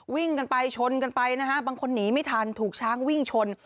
วิ่งกันไปชนกันไปนะฮะบางคนหนีไม่ทันถูกช้างวิ่งชน